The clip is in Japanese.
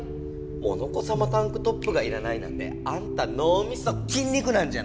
モノコさまタンクトップがいらないなんてあんたのうみそきん肉なんじゃない？